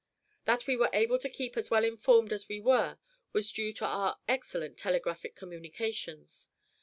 That we were able to keep as well informed as we were was due to our excellent telegraphic communications.